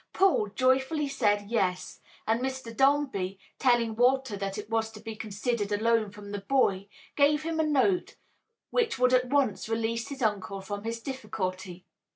Paul joyfully said yes, and Mr. Dombey, telling Walter that it was to be considered a loan from the boy, gave him a note which would at once release his uncle from his difficulty.